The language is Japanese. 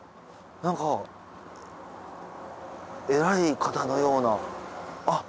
なんか偉い方のような。